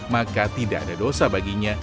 maka tidak ada dosa baginya